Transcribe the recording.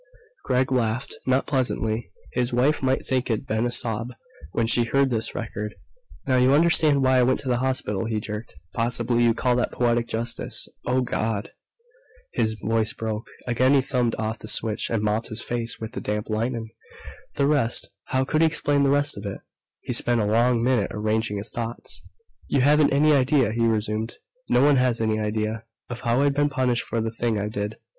Gregg laughed, not pleasantly. His wife might think it'd been a sob, when she heard this record. "Now you understand why I went to the hospital," he jerked. "Possibly you'd call that poetic justice. Oh, God!" His voice broke. Again he thumbed off the switch, and mopped his face with the damp linen. The rest how could he explain the rest of it? He spent a long minute arranging his thoughts. "You haven't any idea," he resumed, "no one has any idea, of how I've been punished for the thing I did.